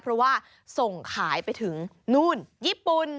เพราะว่าส่งขายไปถึงนู่นญี่ปุ่น